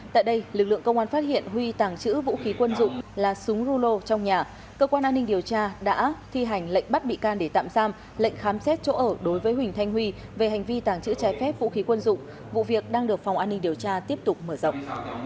tại đây lực lượng công an phát hiện huy tàng trữ vũ khí quân dụng là súng rulo trong nhà cơ quan an ninh điều tra đã thi hành lệnh bắt bị can để tạm giam lệnh khám xét chỗ ở đối với huỳnh thanh huy về hành vi tàng trữ trái phép vũ khí quân dụng vụ việc đang được phòng an ninh điều tra tiếp tục mở rộng